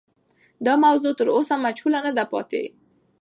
دا موضوع تر اوسه مجهوله نه ده پاتې.